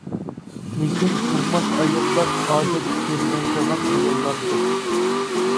لېكىن تۇغماس ئاياللار ئادەت كۆرمەيدىغان ئاياللاردۇر.